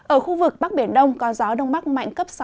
ở khu vực bắc biển đông có gió đông bắc mạnh cấp sáu